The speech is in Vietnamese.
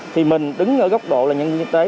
thì mình đứng ở góc độ là nhân viên y tế